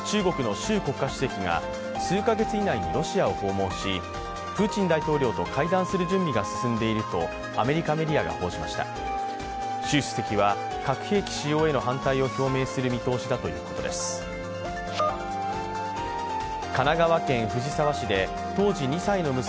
習主席は核兵器使用への反対を表明する見通しだということです。